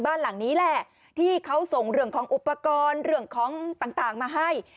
บ้านหลังนี้แหละที่เขาส่งเรื่องของอุปกรณ์เรื่องของต่างมาให้